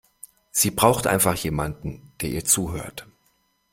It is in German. Sie braucht einfach jemanden, der ihr zuhört.